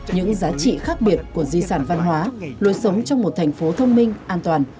những giá trị khác biệt của di sản văn hóa luôn sống trong một thành phố thông minh an toàn